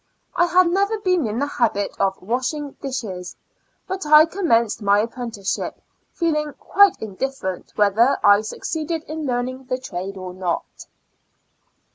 I had never been in the habit of washing dishes, but I commenced my apprenticeship feeling quite indifferent whether I succeed ed in learning the trade or not.